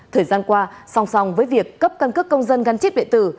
thời gian qua song song với việc cấp căn cước công dân gắn chiếc điện tử